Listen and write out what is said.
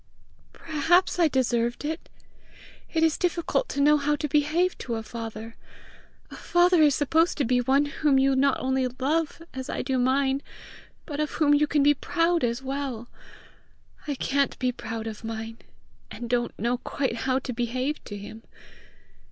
"Perhaps I deserved it: it is difficult to know how to behave to a father! A father is supposed to be one whom you not only love, as I do mine, but of whom you can be proud as well! I can't be proud of mine, and don't know quite how to behave to him.